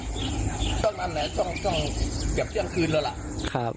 เครื่องแฮงนี้ต้องมาแหละต้องเตี๋ยวเตียงคืนแล้วล่ะครับ